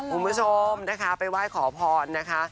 คุณผู้ชมนะคะไปไหว้ขอพรนะคะ